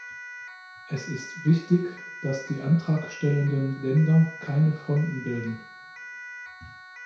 Es ist wichtig, dass die antragstellenden Länder keine Fronten bilden.